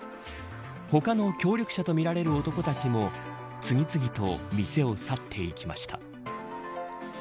他の協力者とみられる男たちも次々と店を去っていきました。